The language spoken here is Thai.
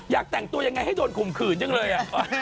อยากแต่งตัวยังไงให้โดนข่มขืนจังเลย